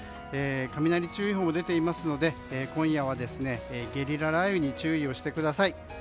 雷注意報も出ていますので今夜はゲリラ雷雨に注意をしてください。